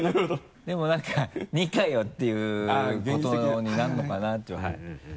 でも何か「２かよ！」っていうことになるのかなっていう。